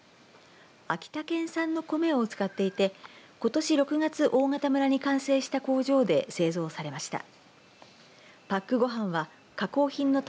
秋田県産の米を使っていてことし６月、大潟村に完成した工場で製造されました。